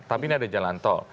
tapi ini ada jalan tol